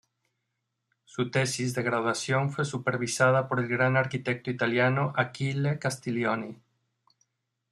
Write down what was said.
Su tesis de graduación fue supervisada por el gran arquitecto italiano Achille Castiglioni.